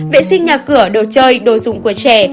vệ sinh nhà cửa đồ chơi đồ dụng của trẻ